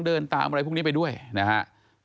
เดินตามอะไรพวกนี้ไปด้วยนะครับ